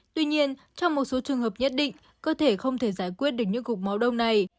tuy nhiên trong một số trường hợp nhất định cơ thể không thể giải quyết được những cục máu đông này